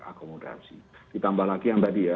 akomodasi ditambah lagi yang tadi ya